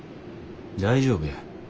大丈夫や。